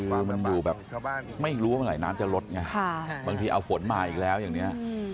ไม่รู้ว่าไหนน้ำจะลดไงบางทีเอาฝนมาอีกแล้วอย่างนี้